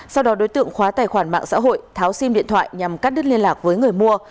sau đó đối tượng khóa tài khoản mạng xã hội tháo sim điện thoại nhằm cắt đứt liên lạc với người mua